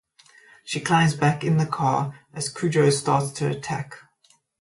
She climbs back in the car as Cujo starts to attack.